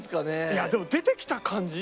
いやでも出てきた感じ